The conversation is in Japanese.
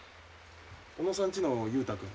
小野さんちの雄太君